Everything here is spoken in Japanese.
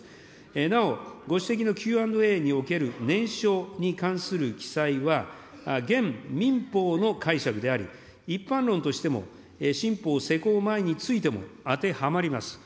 なおご指摘のＱ＆Ａにおける念書に関する記載は、現民法の解釈であり、一般論としても、新法施行前についても当てはまります。